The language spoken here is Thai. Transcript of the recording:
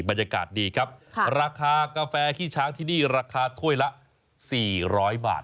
บรรยากาศดีครับราคากาแฟขี้ช้างที่นี่ราคาถ้วยละ๔๐๐บาท